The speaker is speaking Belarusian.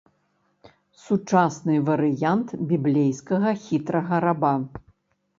Сучасны варыянт біблейскага хітрага раба.